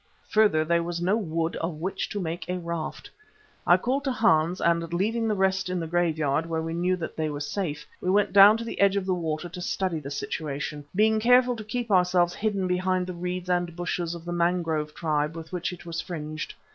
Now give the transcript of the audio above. Further there was no wood of which to make a raft. I called to Hans and leaving the rest in the graveyard where we knew that they were safe, we went down to the edge of the water to study the situation, being careful to keep ourselves hidden behind the reeds and bushes of the mangrove tribe with which it was fringed.